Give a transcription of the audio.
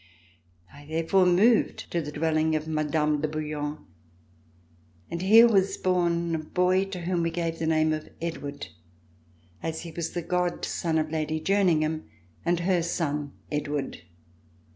I therefore moved to the dwelling of Mme. de Bouillon, and here was born a boy to whom we gave the name of Edward, as he was the god son of Lady Jerningham and her son Edward.